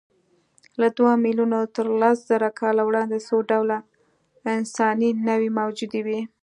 له دوو میلیونو تر لسزره کاله وړاندې څو ډوله انساني نوعې موجودې وې.